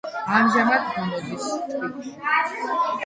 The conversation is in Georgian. ამჟამად გამოდის თბილისში.